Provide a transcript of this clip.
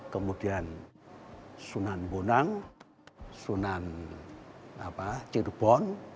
kemudian sunan bunang sunan cibbol